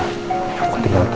aku tinggal nanti ya